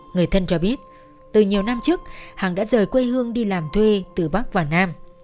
người thân cho biết từ nhiều năm trước hằng đã rời quê hương đi làm thuê từ bắc vào nam